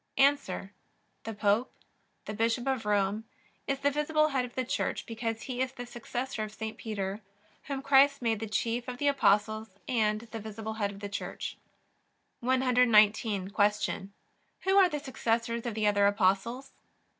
A. The Pope, the Bishop of Rome, is the visible Head of the Church because he is the successor of St. Peter, whom Christ made the chief of the Apostles and the visible Head of the Church. 119. Q. Who are the successors of the other Apostles?